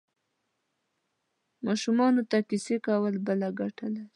ماشومانو ته کیسې کول بله ګټه لري.